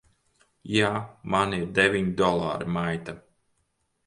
Jā. Man ir deviņi dolāri, maita!